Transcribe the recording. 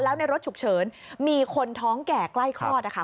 แล้วในรถฉุกเฉินมีคนท้องแก่ใกล้คลอดนะคะ